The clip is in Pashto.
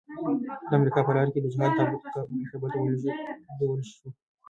د امريکا په لارۍ کې د جهاد تابوت کابل ته ولېږدول شو.